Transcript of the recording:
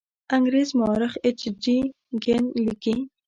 انګریز مورخ ایچ جي کین لیکي.